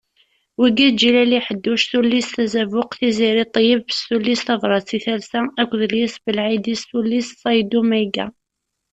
Wigi d: Ǧilali Ḥaddouc tullist Azabuq, Tiziri Ṭeyeb s tullist Tabrat i talsa akked Lyas Belɛidi s tullist Ṣayddu Mayga.